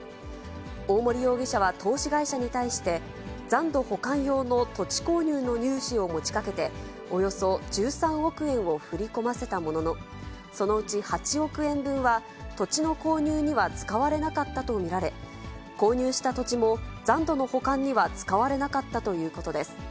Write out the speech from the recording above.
大森容疑者は投資会社に対して、残土保管用の土地購入の融資を持ちかけて、およそ１３億円を振り込ませたものの、そのうち８億円分は、土地の購入には使われなかったと見られ、購入した土地も、残土の保管には使われなかったということです。